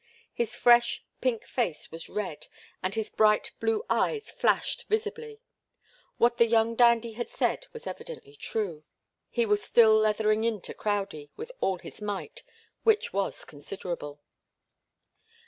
His fresh, pink face was red, and his bright blue eyes flashed visibly. What the young dandy had said was evidently true. He was still 'leathering into' Crowdie with all his might, which was considerable.